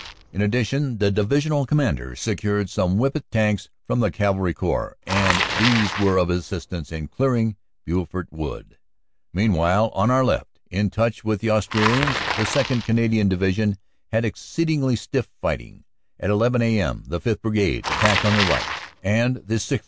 In addition the Divisional Commander secured some whippet tanks from the Cavalry Corps, and these were of assistance in clearing Beaufort wood. 56 CANADA S HUNDRED DAYS Meanwhile on our left, in touch with the Australians, the 2nd. Canadian Division had exceedingly stiff fighting. At 11 a.m. the 5th. Brigade attacked on the right, and the 6th.